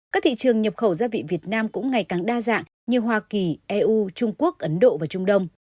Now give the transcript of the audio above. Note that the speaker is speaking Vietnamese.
các thị trường nhập khẩu gia vị việt nam cũng ngày càng đa dạng như hoa kỳ eu trung quốc ấn độ và trung đông